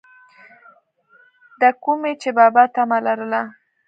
دَکومې چې بابا طمع لرله،